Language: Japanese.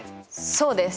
そうです！